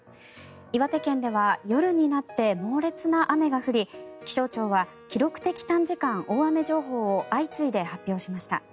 岩手県では夜になって猛烈な雨が降り気象庁は記録的短時間大雨情報を相次いで発表しました。